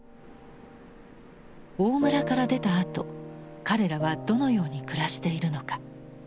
大村から出たあと彼らはどのように暮らしているのか。